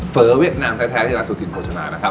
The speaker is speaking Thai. เฟ้อเวียดนามแท้ที่รักษาถิ่นโภชนานะครับ